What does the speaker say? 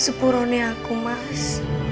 sepurone aku mas